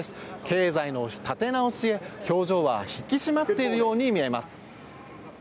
経済の立て直しへ表情は引き締まっているように見えます。